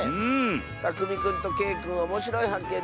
たくみくんとけいくんおもしろいはっけん